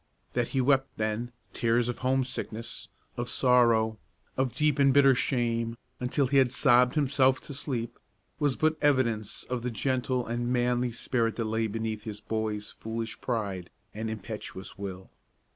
That he wept, then, tears of homesickness, of sorrow, of deep and bitter shame, until he had sobbed himself to sleep, was but evidence of the gentle and manly spirit that lay beneath his boy's foolish pride and impetuous will.